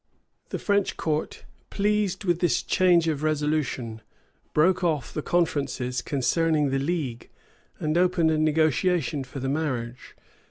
[] The French court, pleased with this change of resolution, broke off the conferences concerning the league, and opened a negotiation for the marriage.